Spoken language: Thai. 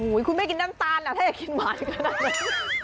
อุ๊ยคุณไม่กินน้ำตาลนะถ้าอยากกินหวานก็ได้